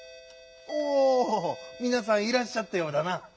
おおみなさんいらっしゃったようだな。